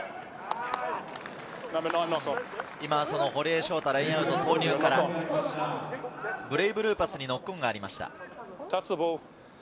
今、堀江翔太、ラインアウトの投入からブレイブルーパスにノックオンがありました。